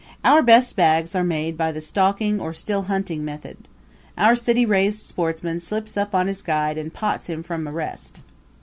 Our best bags are made by the stalking or still hunting method. Our city raised sportsman slips up on his guide and pots him from a rest.